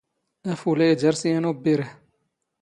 ⴰⴼⵓⵍⴰⵢ ⴷⴰⵔⵙ ⵢⴰⵏ ⵓⴱⴱⵉⵔⵀ.